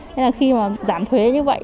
thế là khi mà giảm thuế như vậy